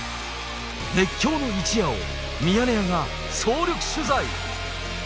熱狂の一夜をミヤネ屋が総力取材。